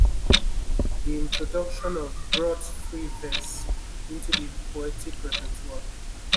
The introduction of brought free verse into the poetic repertoire.